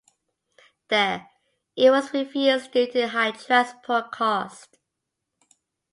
There, it was refused due to high transport costs.